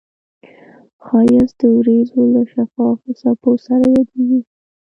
ښایست د وریځو له شفافو څپو سره یادیږي